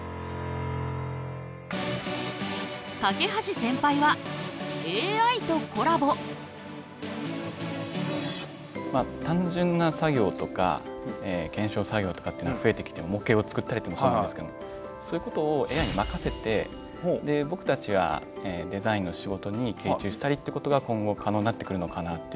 梯センパイは単純な作業とか検証作業とかっていうのが増えてきて模型を作ったりっていうのもそうなんですけどそういうことをＡＩに任せてぼくたちはデザインの仕事に集中したりってことが今後可能になってくるのかなっていう気はしています。